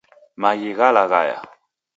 Maghi ghalaghaya